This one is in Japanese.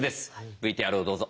ＶＴＲをどうぞ。